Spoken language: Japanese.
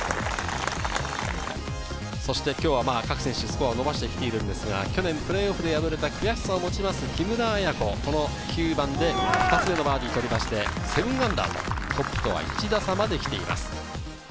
そして今日は各選手、スコアを伸ばしてきてるんですが、去年プレーオフで敗れた悔しさを持ちます木村彩子、９番で２つ目のバーディーを取りまして、−７、トップとは１打差まで来ています。